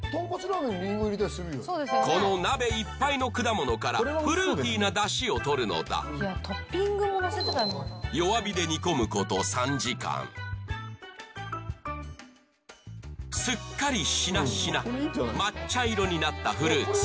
この鍋いっぱいの果物からフルーティーなだしを取るのだ弱火で煮込むこと３時間すっかりしなしなまっ茶色になったフルーツ